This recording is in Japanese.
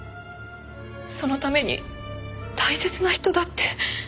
そのために大切な人だって。